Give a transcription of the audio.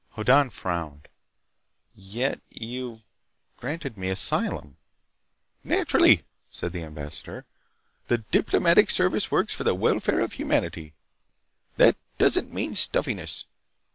Hoddan frowned. "Yet you've granted me asylum—" "Naturally!" said the ambassador. "The Diplomatic Service works for the welfare of humanity. That doesn't mean stuffiness.